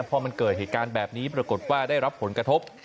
พอมันเกิดเหตุการณ์แบบนี้ปรากฏว่าได้รับผลกระทบ